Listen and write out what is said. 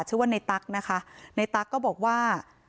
ชื่อว่าในตั๊กนะคะในตั๊กก็บอกว่า